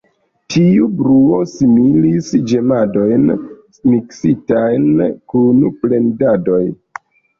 Tiu bruo similis ĝemadojn miksitajn kun plendadoj.